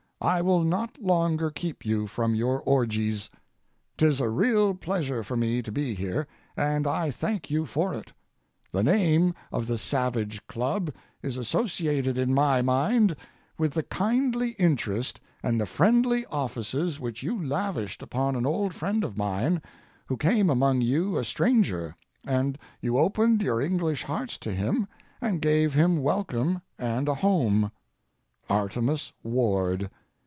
I will not longer keep you from your orgies. 'Tis a real pleasure for me to be here, and I thank you for it. The name of the Savage Club is associated in my mind with the kindly interest and the friendly offices which you lavished upon an old friend of mine who came among you a stranger, and you opened your English hearts to him and gave him welcome and a home—Artemus Ward.